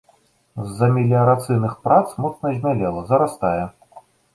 З-за меліярацыйных прац моцна змялела, зарастае.